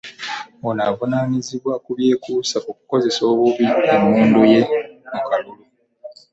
Ono avunaanwa ku byekuusa ku kukozesa obubi emmundu ye mu kalulu.